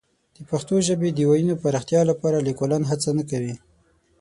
د پښتو ژبې د وییونو پراختیا لپاره لیکوالان هڅه نه کوي.